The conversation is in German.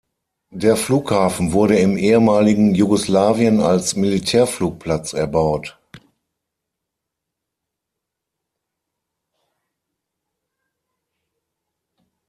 Der Flughafen wurde im ehemaligen Jugoslawien als Militärflugplatz erbaut.